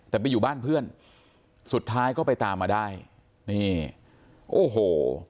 แต่ไปอยู่บ้านเพื่อนสุดท้ายก็ไปตามมาได้นี่โอ้โห